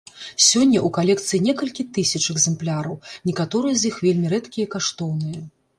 Сёння ў калекцыі некалькі тысяч экземпляраў, некаторыя з іх вельмі рэдкія і каштоўныя.